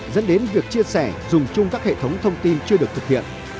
dẫn đến việc chia sẻ dùng chung các hệ thống thông tin chưa được thực hiện